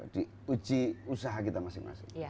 diuji usaha kita masing masing